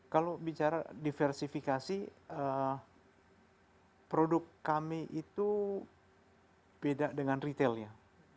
kalau bicara diversifikasi produk kami itu beda dengan retailnya